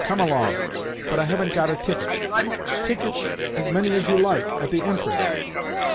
Come along." "But I haven't got a ticket." "Tickets, as many as you like, at the entrance."